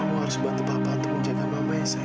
kamu harus bantu papa untuk menjaga mamanya sayang